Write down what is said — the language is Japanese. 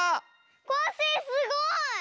コッシーすごい！